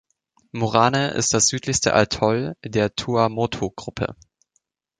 Morane ist das südlichste Atoll der Tuamotu-Gruppe.